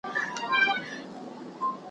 « ته به ښه سړی یې خو زموږ کلی مُلا نه نیسي» .